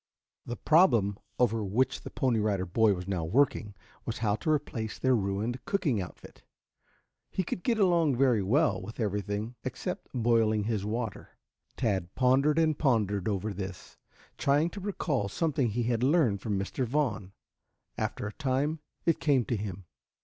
The problem over which the Pony Rider Boy was now working was how to replace their ruined cooking outfit. He could get along very well with everything except boiling his water. Tad pondered and pondered over this, trying to recall something he had learned from Mr. Vaughn. After a time it came to him.